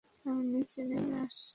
আমি নিচে নেমে আসছি!